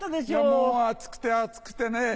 もう暑くて暑くてね。